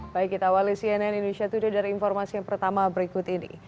baik kita awali cnn indonesia today dari informasi yang pertama berikut ini